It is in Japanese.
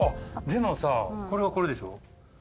でもさこれはこれでしょ。